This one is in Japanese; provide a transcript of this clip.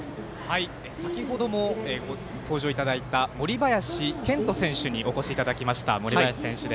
先ほども登場いただいた森林けんと選手にお越しいただきました。